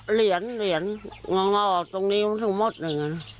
เหรียญเหรียญงอกตรงนี้มันถึงหมดอย่างนั้น